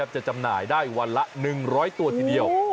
จำหน่ายได้วันละ๑๐๐ตัวทีเดียว